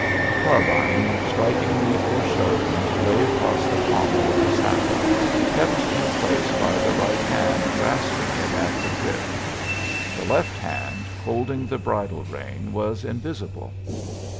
A carbine strikingly foreshortened lay across the pommel of the saddle, kept in place by the right hand grasping it at the "grip"; the left hand, holding the bridle rein, was invisible.